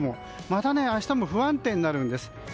また明日も不安定になるんです。